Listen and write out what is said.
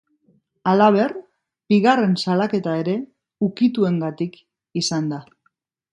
Halaber, bigarren salaketa ere ukituengatik izan da.